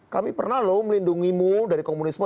kami pernah lho melindungimu dari komunisme